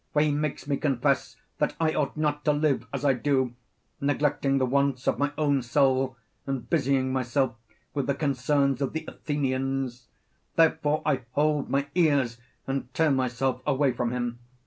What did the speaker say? For he makes me confess that I ought not to live as I do, neglecting the wants of my own soul, and busying myself with the concerns of the Athenians; therefore I hold my ears and tear myself away from him.